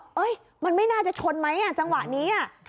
เฮ้ยมันไม่น่าจะชนไหมจังหวะนี้